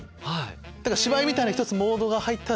芝居みたいなモードが入ったら。